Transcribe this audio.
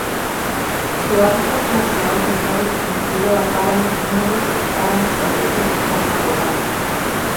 Su hábitat natural está restringido a páramos húmedos y páramos abiertos con pajonales.